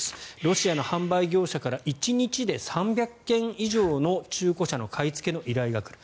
ロシアの販売業者から１日で３００件以上の中古車の買いつけの依頼が来る。